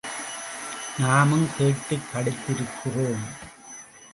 நாமும் கேட்டுக் களித்திருக்கிறோம்.